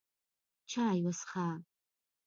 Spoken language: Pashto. چای وڅښه!